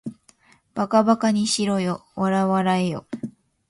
馬鹿ばかにしろよ、笑わらえよ